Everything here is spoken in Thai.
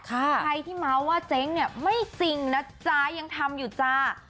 ใครที่มาว่าเจ๊เนี้ยไม่จริงยังทำอยู่จ้ะ